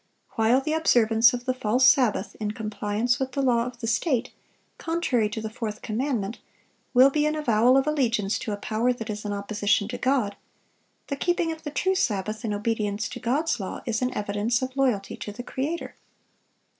While the observance of the false sabbath in compliance with the law of the state, contrary to the fourth commandment, will be an avowal of allegiance to a power that is in opposition to God, the keeping of the true Sabbath, in obedience to God's law, is an evidence of loyalty to the Creator.